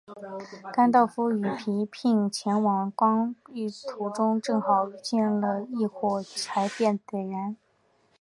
甘道夫与皮聘前往刚铎途中正好见到了烽火台被点燃。